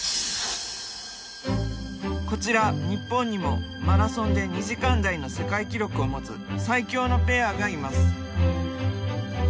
こちら日本にもマラソンで２時間台の世界記録を持つ最強のペアがいます。